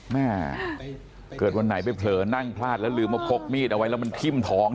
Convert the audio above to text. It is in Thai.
แม่เกิดวันไหนไปเผลอนั่งพลาดแล้วลืมว่าพกมีดเอาไว้แล้วมันทิ้มท้อง